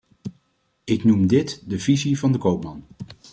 Ik noem dit de visie van de koopman.